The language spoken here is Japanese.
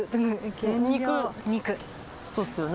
そうっすよね。